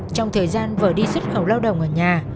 trong thời gian vừa đi xuất khẩu lao động ở nhà